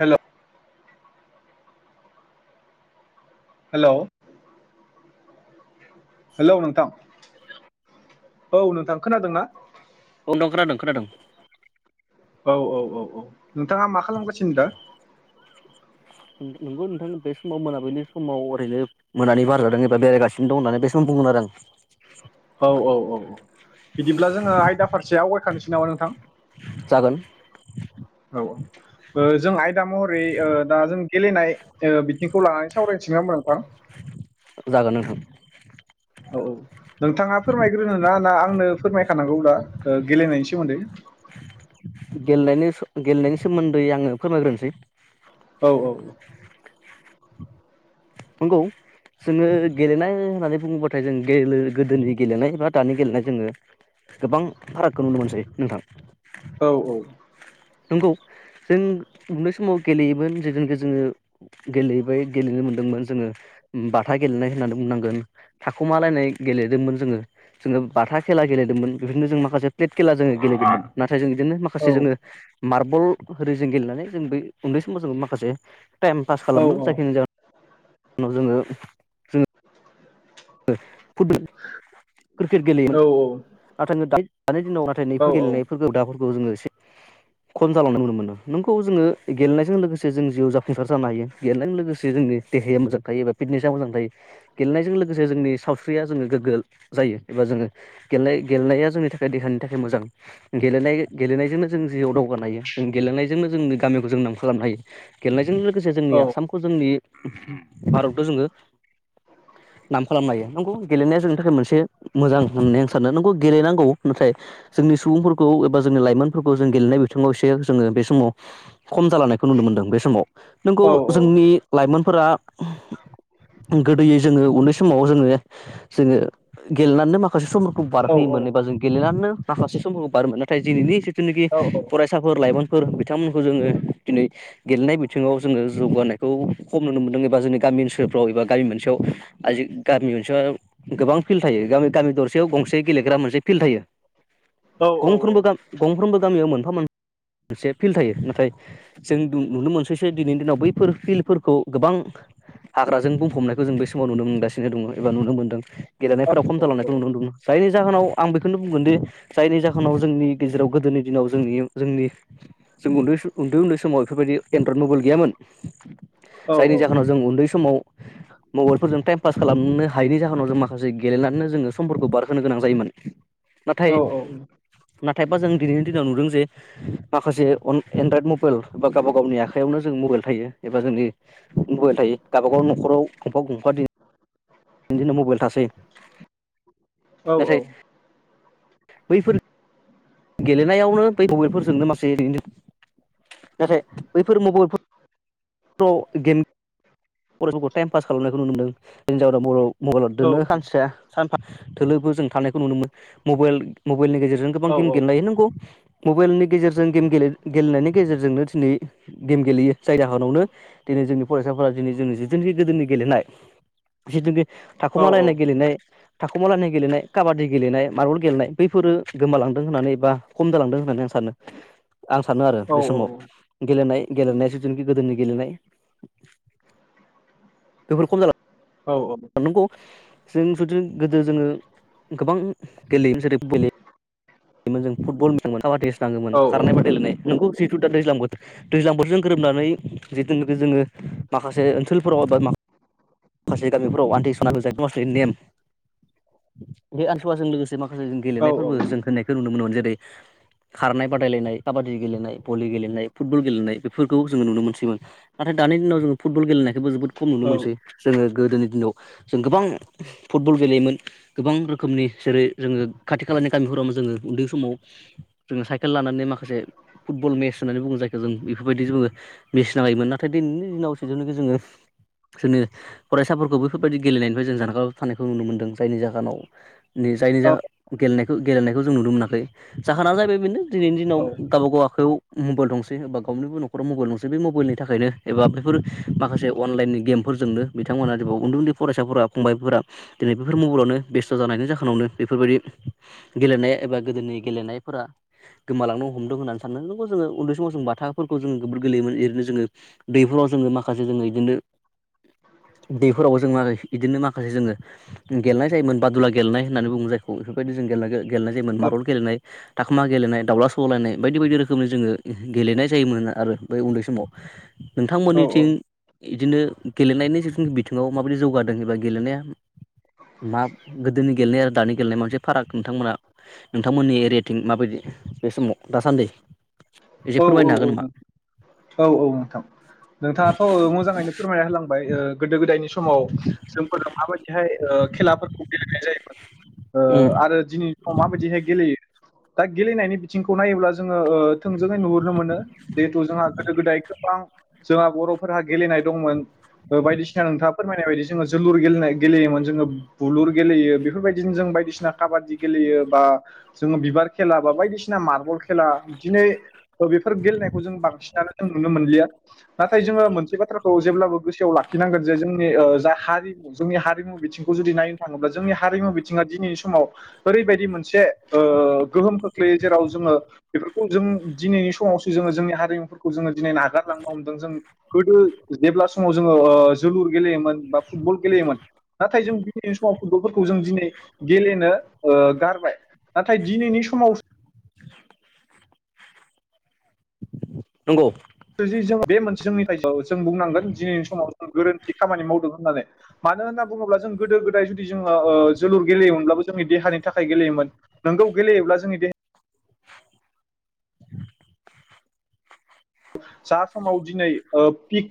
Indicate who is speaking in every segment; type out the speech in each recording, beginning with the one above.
Speaker 1: हेल' hello hello नोंथां औ नोंथां खोनादोंना?
Speaker 2: औ नोंथां खोनादों खोनादों
Speaker 1: औ औ औ औ नोंथांङा मा खालामगासिनो दा?
Speaker 2: नंगौ नोंथां बे समाव मोनाबिलि समाव ओरैनो मोनानि बारजादों एबा बेरायगासिनो दं होननानै बे समाव बुंगोन आरो आं
Speaker 1: औ औ औ औ बिदिब्ला जोंङो आयदा फारसे आवगाय होखानोसै नामा
Speaker 2: जागोन
Speaker 1: नोंथांङा? औ जों आयदा महरै दा जों गेलेनाय बिथिंखौ लानानै सावरायनोसै नंङा होमबा नोंथां?
Speaker 2: जागोन नोंथां
Speaker 1: औ औ नोंथांङा फोरमायग्रोनो ना आंनो फोरमायखानांगौ दा ओ गेलेनायनि सोमोन्दै?
Speaker 2: गेलेनायनि सो गेलेनायनि सोमोन्दै आंङो फोरमायग्रोनोसै
Speaker 1: औ औ
Speaker 2: नंगौ जोंङो गेलेनाय होननानै बुंङोबाथाय जों गोदोनि गेलेनाय बा दानि गेलेनाय जोंङो गोबां फारागखौ नुनो मोनसै नोंथां
Speaker 1: औ औ
Speaker 2: नंगौ जों उन्दै समाव गेलेयोमोन जेनाखि जोङो गेलेबाय गेलेनो मोन्दोंमोन जोङो बाथा गेलेनाय होननानै बुंनांगोन थाखुमालायनाय गेलेदोंमोन जोङो जोङो बाथा खेला गेलेदोंमोन बेफोरनो जों माखासे प्लेट खेला जोङो गेलेदोंमोन नाथाय नाथाय जों बिदिनो
Speaker 1: औ
Speaker 2: माखासे जोंङो फुटबल ओरै जों गेलेनानै जों बै उन्दै समाव जों माखासे टाइम पास
Speaker 1: औ
Speaker 2: खालामोन जाखिनि ज नाव जोंङो जोंङो [inaudible] फुटबल क्रिकेट गेलेयोमोन
Speaker 1: औ
Speaker 2: नाथाय नोंथां दानि दिनाव नाथाय
Speaker 1: औ
Speaker 2: नैफोर गेलेनायफोरखौ दाबो जों एसे खम जालांनाय नुनो मोनो नोंखगौ जोंङो गेलेनायजों लोगोसे जों जिउआव जाफुंसार जानो हायो गेलेनायजों लोगोसे जोंनि देहाया मोजां थायो एबा फिटनेसा मोजां थायो गेलेनायजों लोगो लोगोसे जोंनि साव फुख्रिया जोंङो गोग्गो जायो एबा जोंङो गेले गेलेनाया जोंनि थाखाय देहानि थाखाय मोजां गेलेनाय गेलेनायजोंनो जों जिउआव दावगानो हायो जों गेलेनायजोंनो जोंनि गामिखौ जों नाम खालामनो हायो गेलेनायजों लोगोसे जोंनि
Speaker 1: औ
Speaker 2: आसामखौ जोंनि बारावथ' जोंङो नाम खालामनो हायो। नंगौ गेलेनाया जोंनि थाखाय मोनसे मोजां होननानै आं सानो नंगौ गेलेनांगौ नाथाय जोंनि सुबुंफोरखौ एबा जोंनि लाइमोनफोरखौ जों गेलेनाय बो [unintelligible] जोंङो बे समाव खम जालांनायखौ नुनो मोनदों बे समाव। नंगौ
Speaker 1: औ
Speaker 2: जोंनि लाइमोनफोरा गोदोयै जोङो उन्दै स समाव जोङो जोङो गेलेनानैनो माखासे समफोरखौ बारहोयोमोन
Speaker 1: औ
Speaker 2: एबा जों गेलेनानैनो माखासे समफोरखौ बारोमोन। नाथाय दिनैनि जि जिनिखि फरायसाफोर लाइमोनफोर बिथांमोन खौ जोङो दिनै गेलेनाय बिथिङाव जोङो जौगानाय खौ खम नुनो मोनदों एबा जोंनि गामि ओनसोलफ्राव एबा गामि मोनसेयाव आजि गामिआवसो गोबां फिल्ड थायो, गामि गामि दरसेयाव गंसे गेलेग्रा मोनसे फिल्ड थायो।
Speaker 1: औ
Speaker 2: गंफ्रोमबो गा गंफ्रोमबो गामियाव मोन फा मोनसे फिल्ड थायो। नाथाय जों नुनो मोनसैसो दिनैनि दिनाव बैफोर फिल्डफोरखौ गोबां हाग्राजों बुंफबनायखौ जों बे स समाव नुनो मोनगासिनो दङ एबा नुनो मोनदों। गेलेनायफोराव खम जालांनाय नुनो मोनदोङो। जायनि जाहोनाव आं बेखौनो बुंगोन दि जायनि जाहोनाव जोंनि गेजेराव गोदोनि दिनाव जोंनि जोंनि जों उन्दै उन्दै उन्दै समाव बेफोरबायदि एनड्रइड मबाइल गैयामोन।
Speaker 1: औ औ
Speaker 2: जायनि
Speaker 1: औ
Speaker 2: जाहोनाव जों उन्दै समाव [inaudible] मबाइलफोरजों टाइम पास खालामनो हायिनि जाहोनाव जों माखासे गेलेनानैनो जोङो समफोरखौ बारहोनो गोनां जायोमोन।
Speaker 1: औ
Speaker 2: नाथाय
Speaker 1: औ।
Speaker 2: नाथायबा जों दिनैनि दिनाव नुदों जे माखासे अन एनड्रयड मब मबाइल बा गावबा गावनि आखाइयावनो जों मबाइल थायो एबा जोंनि मबाइल थायो। गावबा गाव न'खराव गंफा गंफा दिन बिदिनो मबाइल थासै। नाथाय बैफोर गेलेनायावनो बै मबाइलफोरजोंनो मासे ओरैनो नाथाय बैफोर मबाइलफोर आव गेम फरायफोरखौ टाइम पास खालामनायखौ नुनो मोनदों। जायनि जाहोनाव बर' मबाइलाव दोनो खानसेया सान थोलोबो जों थानायखौ नुनो मोनो। मबेल मबेलनि गेजेरजों गोबां गेम गेलेनो हायो नंगौ। मबाइलनि गेजेरजों गेम गेलेनायनि गेजेरजोंनो दिनै गेम गेलेयो जाय जाहोनावनो दिनै जोंनि फरायसाफोरा दिनै जोंनि जिथुनिखि गोदोनि गेलेनाय जिथु बे थाखुमालायनाय गेलेनाय थाखुमालाइनाय गेलेनाय, काबादि गेलेनाय, मारबल गेलेनाय बैफोरो गोमालांदों होननानै बा खम जालांदों होननानै आं सानो आं सानो आरो बे समाव गेलेनाय-गेलेनाय ज'-ज' गोदोनि गेलेनाय बेफोर खम जाला नंगौ जों जुदि गोदो जोङो गोबां गेलेयोमोन जेरै [unintelligible] दाङोमोन खारनाय बादायलायनाय नोंखौ जिथु दा दैज्लां बोथोर दैज्लां बोथोरजों गोरोबनानै जिथुनिखि जोङो माखासे ओनसोलफोराव एबा माखासे गामिफ्राव आमन्थि सनालु जाय मासनि नेम बे आनसुवाजों लोगोस जे माखासे जों गेलेनायफोरबो जों होन्नायखौ नुनो मोनोमोन जेरै खारनाय बादायलायनाय खाबाद दि गेलेनाय भलि गेले फुटबल गेलेनाय बे फोर जोङो नुनो मोनसैमोन नाथाइ दानि दिनाव जोङो फुटबल गेलेनाय जोबो जोबोद खम नुनो मोनसै । जोङो गोदोनि दिनाव जों गोबां फुटबल गेलेयोमोन गोबां रोखोमनि जेरै जोङो खाथि खालानि गामिफोरावनो जोङो उन्दै समाव जोङो साइकेल लानानै माखासे फुटबल मेस होननानै बुङो जायखौ जों बेफोरबायदि जोङो [unintelligible] नाथाय दिनैनि दिनाव सेजौनिखि जोङो जोंनि फरायसाफोरखौ बेैफोरबायदि गेलेनायनिफ्राय जों जानगाराव थानायखौ नुनो मोनदों जायनि जाहोनाव जायनि गेलेनायखौ गेलेनायखौ जों नुनो मोनाखै जाहोना जाहैबाय बेनो दिनैनि दिनाव गावबा गाव खौ मबाइल दंसै एबा गावनिबो न'खराव मबाइल दंसै बे मबाइलनि थाखायनो एबा बेफोर माखासे अनलाइननि गेमफोर [unintelligible] बिथांमोना उन्दै उन्दै फरायसाफोरा फंबायफोरा दिनै बेफोर मबाइलावनो बेस्थ' जानायनि जाहोनावनो बेफोरबायदि गेलेनाय एबा गोदोनि गेलेनायफोरा गोमालांनो हमदों होननानै साननो नोंगौ जोङो उन्दै समाव जों बाथाफोरखौ जोङो जोबोर गेलेयोमोन रैनो जोङो । दैफोराव जोङो माखासे जोङो इदिनो दैफोरावबो जों [unintelligible] बिदिनो नो माखासे जोङो गेलेनाय जायोमोन बादुला गेलनाय होनानै बुङो जायखौ बेफोरबायदि जों गेलेनाय गेलेनाय जायोमोन मारबल गेलेनाय थाखोमा गेलेनाय दाउला सौलायनाय बायदि बायदि रोखोमनि जोङो गेलेनाय जायोमोन आरो बै उन्दै समाव नोंथांमोननिथिं इदिनो गेलेनायनि जि बिथिङाव माबायदि जौगादों एबा गेलेनाया मा गोदोनि गेलेनाय आरो दानि गेलेनाय मोनसे फाराग नोंथांमोना नोंथांमोननि एरियाटिं माबायदि बे समाव दासान्दि एसे
Speaker 1: औ औ
Speaker 2: फोरमायनो हागोन नामा?
Speaker 1: औ औ औ नोंथां नोंथाङाथ' ओ मोजाङैनो फोरमायना होलांबाय ओ गोदो गोदायनि स समाव जोंफोरा माबायदिहाय ओ खेलाफोरखौ गेलेनाय जायोमोन ओ
Speaker 2: उम
Speaker 1: आरो दिनैनि समाव माबायदिहाय गेलेयो दा गेलेनायनि बिथिंखौ नायोब्ला जोङो ओ थों जोङै नुहुरनो मोनो जिहेथु जोंहा गोदो गोदाय गोबां जोंहा बर'फोरहा गेलेनाय दंमोन बायदिसिना नोंथाङा फोरमायनाय बायदि जोङो जोलुर गेलेनाय गेलेयोमोन जोङो बुलुर गेलेयो बेफोरबायदिनो जों बायदिसिना काबादि गेलेयो बा जोङो बिबार खेला बा बायदिसिना मार्बल खेला दिनै बेफोर गेलनायखौ जों बांसिनानो दों नुनो मोनलिया नाथाय जोङो मोनसे बाथ्राखौ जेब्लाबो गोसोआव लाखिनांगोन जे जोंनि ओ जा हारिमु जोंनि हारिमु बिथिंखौ जुदि नायनो थाङोब्ला जोंनि हारिमु बिथिङा दिनैनि समाव ओरैबायदि मोनसे ओ गोहोम खोख्लैयो जेराव जोङो बेफोरखौ जों दिनैनि समावसो जोङो जोंनि हारिमुफोरखौ जोङो दिनै नागारलांनो हमदों जों गोदो जेब्ला समाव जोङो ओ जोलुर गेलेयोमोन बा फुटबल गेलेयोमोन नाथाय जों दिनैनि समाव फुटबलफोरखौ जों दिनै गेलेनो ओ गारबाय नाथाय दिनैनि समाव
Speaker 2: नंगौ
Speaker 1: दि जों बे मोनसे जोंनि [unintelligible] जों बुंनांगोन दिनैनि समाव जों गोरोन्थि खामानि मावदों होननानै मानो होनना बुङोब्ला जों गोदो गोदाय जुदि जोङो जोलुर गेलेयोमोनब्लाबो जोंनि देहानि थाखाय गेलेयोमोन नोंगौ गेलेयोब्ला जोंनि देहाया जा समाव दिनै ओ पिक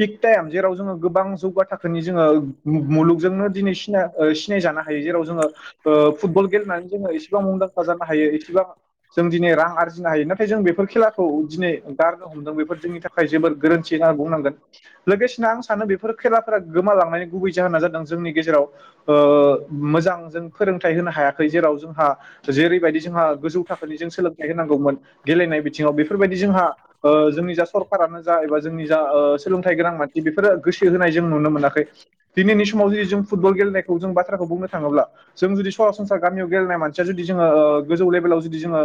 Speaker 1: पिक टाइम जेराव जोङो गोबां जौगा थाखोनि जोङो मु-मुलुगजोंनो दिनै सिना ओ सिनायजानो हायो जेराव जोङो ओ फुटबल गेलेनानै जोङो एसेबां मुंदांखा जानो हायो एसेबा जों दिनै रां आरजिनो हायो नाथाय जों बेफोर खेलाखौ दिनै गार नो हमदो बेफोर जोंनि थाखाय जोबोर गोरोन्थि होनना बुंनांगोन लोगोसेनो आं सानो बेफोर खेलाफोरा गोमालांनायनि गुबै जाहोना जादों जोंनि गेजेराव ओ मोजां जों फोरोंथाय होनो हायाखै जेराव जोंहा जेरैबायदि जोंहा गोजौ थाखोनि जों सोलोंथाइ होनांगौमोन गेलेनाय बिथिङाव बेफोरबायदि जोंहा ओ जोंनि जा सरखारानो जा एबा जोंनि जा ओ सोलोंथाइ गोनां मानसि बेफोरो गोसो होनाय जों नुनो मोनाखै दिनैनि समाव जि जों फुटबल गेलेनायखौ जों बाथ्राखौ बुंनो थाङोब्ला जों जुदि सरासनस्रा गामियाव गेलेनाय मानसिया जुदि जोङो ओ गोजौ लेभेलाव जुदि जोङो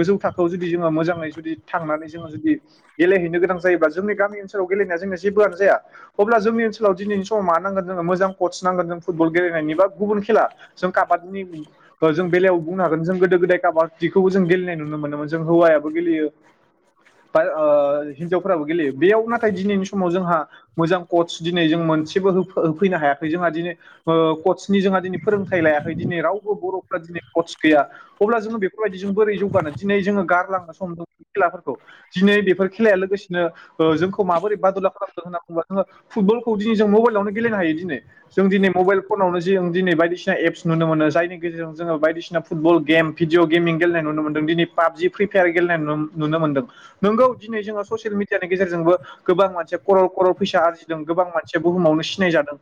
Speaker 1: गोजौ थाखोआव जुदि जोङो मोजाङै जुदि थांनानै जोङो जु दि गेलेहैनो गोनां जायोबा जोंनि गामि ओनसोलाव गेलेनाया जोंना जेबोआनो जाया अब्ला जोंनि ओनसोलाव दिनैनि समाव मा नांगोन जोङो मोजां कर्च नांगोन जों फुटबल गेलेनायनि बा गुबुन खेला जों काबादिनि जों बेलायाव बुंनो हागोन जों गोदो गोदाय काबादिखौबो जों गेलेनाय नुनो मोनोमोन जों हौवायाबो गेलेयो बाय ओ हिनजावफोराबो गेलेयो बेयाव नाथाय दिनैनि समाव जोंहा मोजां कच दिनै जों मोनसेबो होफैनो हायाखै जोंहा दिनै ओ कचनि जोंहा दिनै फोरोंथाइ लायाखै दिनै रावबो बर'फ्रा दिनै कच गैया अब्ला जोङो बेफोरबायदि जों बोरै जौगानो दिनै जोङो गारलांनो सम खेलाफोरखौ दिनै बेफोर खेलाया लोगोसेनो ओ जोंखौ माबोरै बादुला खालामदों होनना बुंङोबा जोङो फुटबलखौ दिनै जों मबाइलावनो गेलेनो हायो दिनै जों दिनै मबाइल फनावनो जों दिनै बायदिसिना एप्स नुनो मोनो जायनि गेजेरजों जोङो बायदिसिना फुटबल गेम भिडिअ गेमिं गेलेनाय नुनो मोनदों दिनै पाबजि फ्रि फायार गेलेनाय नुनो मोन्दों। नोंगौ दिनै जोङो ससियेल मिडियानि गेजेरजोंबो गोबां मानसिया खरल खरल फैसा आरजिदों गोबां मानसिया बुहुमावनो सिनायजादों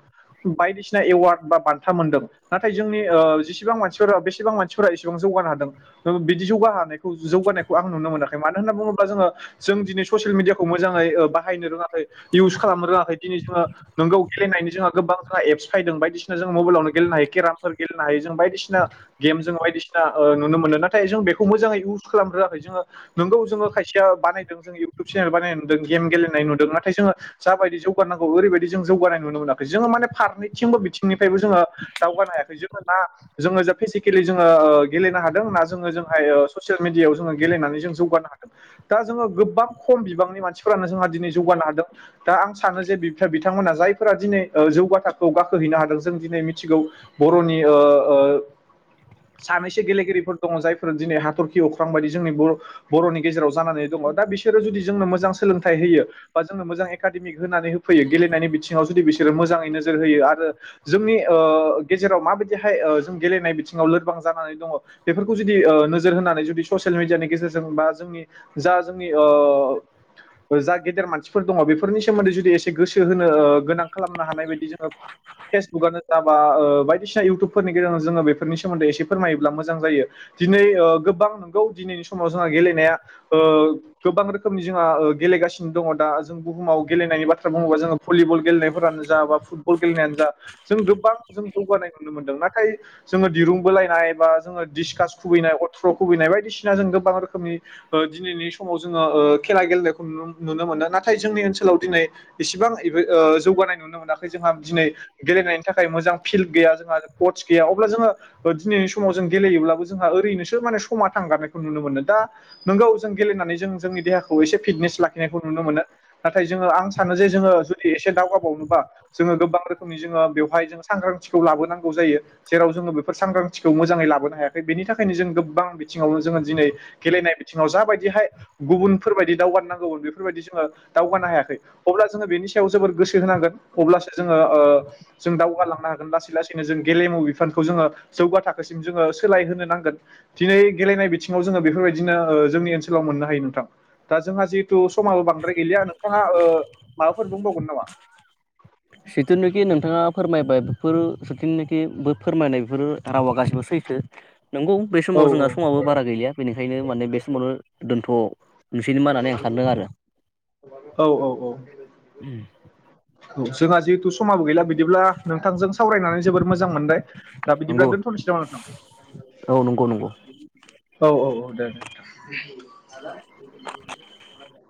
Speaker 1: बायदिसिना एवार्ड बा बान्था मोन्दों नाथाय जोंनि ओ जेसेबां मानसिफोरा बेसेबां मानसिफोरा एसेबां जौगानो हादों बिदि जौगानायखौ जौगानायखौ आं नुनो मोनाखै मानो होनना बुङोब्ला जोङो जों दिनै ससियेल मिडियाखौ मोजाङै बाहायनो रोङाखै इउस खालामनो रोङाखै दिनै जोङो नोंगौ गेलेनायनि जोंहा गोबां जोंहा एप्स फैदों बायदिसिना जों मबाइलावनो गेलेनो हायो केरामफोर गेलेनो हायो जों बायदिसिना गेम जों बायदिसिना ओ नुनो मोनो नाथाय जों बेखौ मोजाङै इउस खालामनो रोङाखै जोङो नोंगौ जोङो खायसेया बानायदों जों इउटुब चेनेल बानायनाय नुदों गेम गेलेनाय नुदों नाथाय जोङो जाबायदि जौगानांगौ ओरैबायदि जों जौगानाय नुनो मोनाखै जोङो माने फारनैथिंबो बिथिंनिफ्रायबो जोङो दावगानो हायै जोङो ना जोङो जा फेसिकेलि जोङो गेलेनो हादों ना जोङो जोंहाय ससियेल मिडियायाव जोङो गेलेनानै जों जौगानो हादों दा जोङो गोबां खम बिबांनि मानसिफोरानो जोंहा दिनै जौगानो हादों दा आं सानो जे बि बिथांमोनहा जायफोरा दिनै जौगाथोखौ गाखोहैनो हादों जों दिनै मिथिगौ बर'नि ओ ओ सानैसो गेलेगिरिफोर दङ जायफोरा दिनै हाथरखि अख्रां बायदि जोंनि बर' बर'नि गेजेराव जानानै दङ दा बिसोरो जुदि जोंनो मोजां सोलोंथाइ होयो बा जोंनो मोजां एकाडेमिक होनानै होफैयो गेलेनायनि बिथिङाव जुदि बिसोरो मोजाङै नोजोर होयो आरो जोंनि ओ गेजेराव माबायदिहाय ओ जों गेलेनाय बिथिङाव लोरबां जानानै दङ बेफोरखौ जुदि ओ नोजोर होनानै जुदि ससियेल मिडियानि गेजेरजों बा जोंनि जा जोंनि ओ जा गेदेर मानसिफोर दङ बेफोरनि सोमोन्दै जुदि एसे गोसो होनो गोनां खालामनो हानाय बायदि जोङो फेसबुकआनो जाबा बायदिसिना इउटुबफोरनि गेजेरावनो जोङो बेफोरनि सोमोन्दै एसे फोरमायोब्ला मोजां जायो दिनै गोबां नंगौ दिनैनि समाव जोंहा गेलेनाया ओ गोबां रोखोमनि जोंहा गेलेगासिनो दङ दा जों बुहुमाव गेलेनायनि बाथ्रा बुङोबा जोङो भलिबल गेलेनायफोरानो जा बा फुटबल गेलेनायानो जा जों गोबां जों जौगानाय नुनो मोनदों नाथाय जोङो दिरुं बोलायनाय बा जोङो डिसकास खुबैनाय अथ्र' खुबैनाय बायदिसिना जों गोबां रोखोमनि ओ दिनैनि समाव जोङो ओ खेला गेलेनायखौ नुनो मोनो नाथाय जोंनि ओनसोलाव दिनै इसिबां ओ जौगानाय नुनो मोनाखै जोंहा दिनै गेलेनायनि थाखाय मोजां फिल्ड गैया जोंहा कच गैया अब्ला जोङो दिनैनि समाव जों गेलेयोब्लाबो जोंहा ओरैनोसो माने समा थांगारनायखौ नुनो मोनो दा नोंगौ जों गेलेनानै जों जोंनि देहाखौ एसे फिटनेस लाखिनायखौ नुनो मोनो नाथाय जोङो आं सानो जे जोङो जुदि एसे दावगाबावनोबा जोङो गोबां रोखोमनि जोङो बेवहाय जों सांग्रांथिखौ लाबोनांगौ जायो जेराव जोङो बेफोर सांग्रांथिखौ मोजाङै लाबोनो हायाखै बेनि थाखायनो जों गोबां बिथिङावनो जोङो दिनै गेलेनाय बि थिंआव जाबायदिहाय गुबुनफोरबायायदि दावगानो नांगौमोन बेफोरबायदि जोङो दावगानो हायाखै अब्ला जोङो बेनि सायाव जोबोर गोसो होनांगोन अब्लासो जोङो ओ जों दावगालांनो हागोन लासै लासैनो जों गेलेमु बिफानखौ जोङो जौगा थाखोसिम जोङो सोलाय होनो नांगोन दिनै गेलेनाय बिथिङाव जोङो बेफोरबायदिनो ओ जोंनि ओनसोलाव मोननो हायो नोंथां दा जोंहा जिहेथु समाबो बांद्राय गैलिया नोंथाङा ओ माबाफोर बुंबावगोन नामा?
Speaker 2: सिथुनोखि नोंथाङा फोरमायबाय बेफोर सेथुनोखि फोरमायनाय बेफोर रावा गासिबो सैथो। नंगौ बे
Speaker 1: औ
Speaker 2: समाव जोंहा समाबो बारा गैलिया बेनिखायनो माने बे समावनो दोनथ' अ नोंसोरनि मानानै आं सानदों आरो
Speaker 1: औ औ औ जोंहा जिहेथु समाबो गैला बिदिब्ला नोंथांजों सावरायनानै जोबोर मोजां मोनबाय दा बिदिब्ला
Speaker 2: नंगौ
Speaker 1: दोनथ'नोसै नाम नोंथां
Speaker 2: औ नंगौ नंगौ
Speaker 1: औ औ औ दे दे [unintelligible]